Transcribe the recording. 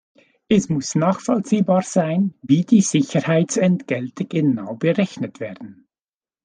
Es muss nachvollziehbar sein, wie die Sicherheitsentgelte genau berechnet werden.